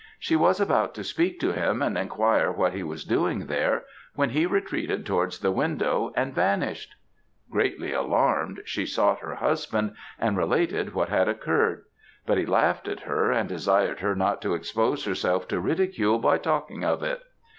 She was about to speak to him, and inquire what he was doing there, when he retreated towards the window and vanished. Greatly alarmed, she sought her husband, and related what had occurred; but he laughed at her, and desired her not to expose herself to ridicule by talking of it.